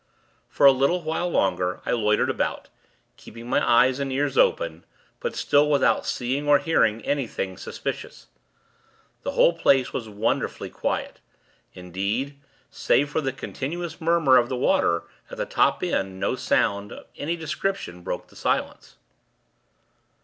For a little while longer, I loitered about; keeping my eyes and ears open, but still, without seeing or hearing anything suspicious. The whole place was wonderfully quiet; indeed, save for the continuous murmur of the water, at the top end, no sound, of any description, broke the silence.